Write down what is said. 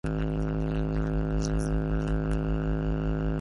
کمې خبرې، د دروند شخصیت نښه ده.